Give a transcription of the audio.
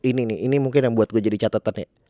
ini nih ini mungkin yang buat gue jadi catatan ya